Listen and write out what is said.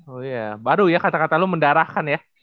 oh iya baru ya kata kata lu mendarakan ya